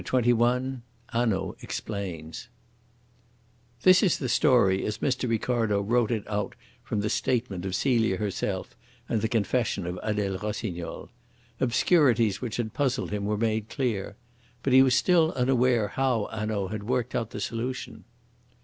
CHAPTER XXI HANAUD EXPLAINS This is the story as Mr. Ricardo wrote it out from the statement of Celia herself and the confession of Adele Rossignol. Obscurities which had puzzled him were made clear. But he was still unaware how Hanaud had worked out the solution.